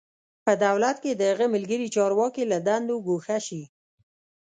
په دولت کې د هغه ملګري چارواکي له دندو ګوښه شي.